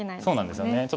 そうなんですよね。